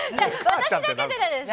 私だけじゃないです。